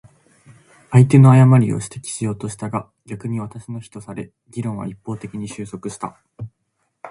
相手の誤りを指摘しようとしたが、逆に私の非とされ、議論は一方的に収束した。